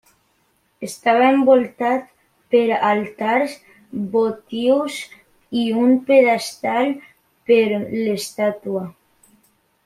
Estava envoltat per altars votius i un pedestal per l'estàtua.